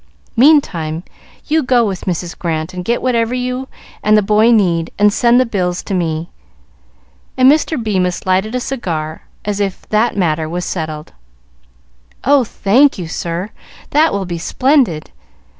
Meantime, you go with Mrs. Grant and get whatever you and the boy need, and send the bills to me;" and Mr. Bemis lighted a cigar, as if that matter was settled. "Oh, thank you, sir! That will be splendid.